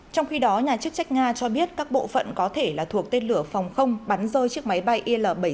trong khi đó nhà chức trách nga cho biết các bộ phận có thể là thuộc tên lửa phòng không bắn rơi chiếc máy bay il bảy trăm sáu